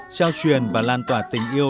trao truyền và lan tỏa tình yêu